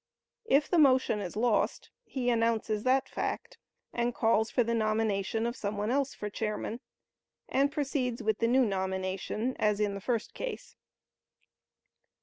If the motion is lost, he announces that fact, and calls for the nomination of some one else for chairman, and proceeds with the new nomination as in the first case.